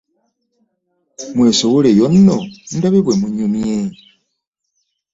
Mwesowoleyo nno ndabe bwe munyumye.